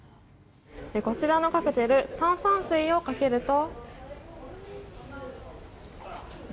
こちらのカクテル炭酸水をかけると。